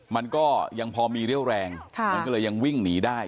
มันก็ยังพอมีเรี่ยวแรงมันก็เลยยังวิ่งหนีได้